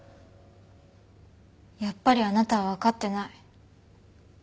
やっぱりあなたはわかってない。